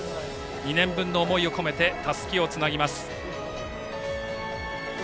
２年分の思いを込めてたすきをつなぎます。